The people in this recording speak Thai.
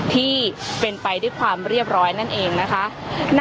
ที่เป็นไปด้วยความเรียบร้อยนั่นเองนะคะ